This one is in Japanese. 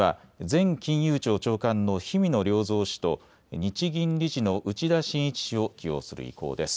また新たな副総裁には、前金融庁長官の氷見野良三氏と、日銀理事の内田眞一氏を起用する意向です。